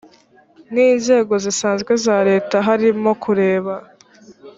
n inzego zisanzwe za leta harimo kureba